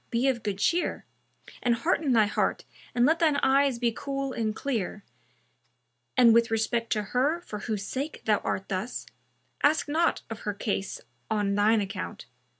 be of good cheer, and hearten thy heart and let shine eyes be cool and clear and, with respect to her for whose sake thou art thus, ask not of her case on shine account.